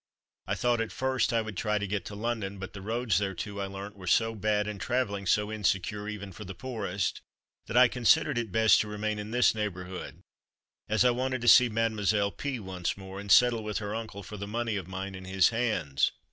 I thought at first I would try to get to London, but the roads thereto, I learnt, were so bad and travelling so insecure, even for the poorest, that I considered it best to remain in this neighbourhood, as I wanted to see Mademoiselle P once more, and settle with her uncle for the money of mine in his hands.